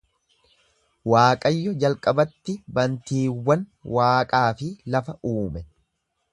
Waaqayyo jalqabatti bantiiwwan waaqaa fi lafa uume;